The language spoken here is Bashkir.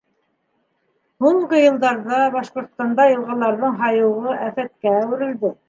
Һуңғы йылдарҙа Башҡортостанда йылғаларҙың һайығыуы афәткә әүерелде.